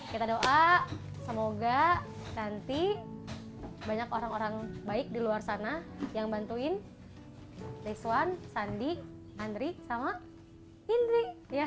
kita doa semoga nanti banyak orang orang baik di luar sana yang bantuin rizwan sandi andri sama indri